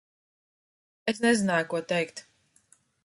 Es nezināju, ko teikt.